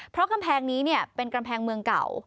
เพราะกำแพงนี้เป็นกำแพงเมืองเก่า